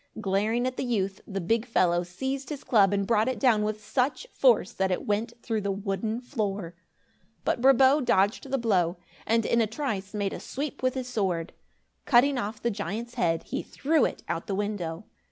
Glaring at the youth, the big fellow seized his club and brought it down with such force that it went through the wooden floor. But Brabo dodged the blow and, in a trice, made a sweep with his sword. Cutting off the giant's head, he threw it out the window.